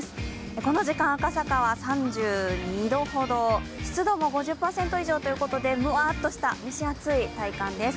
この時間、赤坂は３２度ほど、湿度も５０％以上ということでむわっとした蒸し暑い体感です。